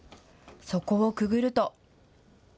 そこをくぐると。